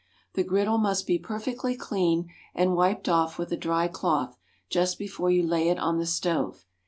The griddle must be perfectly clean and wiped off with a dry cloth just before you lay it on the stove.